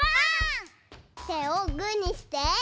てをグーにしてワン！